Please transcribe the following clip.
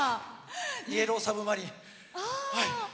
「イエローサブマリン」。